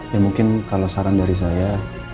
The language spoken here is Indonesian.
ya mungkin kalau saran dari saya